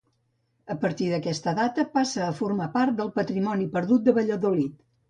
A partir d'aquesta data, passa a formar part del patrimoni perdut de Valladolid.